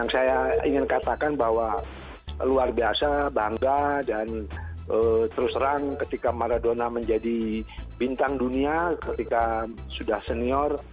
saya ingin katakan bahwa luar biasa bangga dan terus terang ketika maradona menjadi bintang dunia ketika sudah senior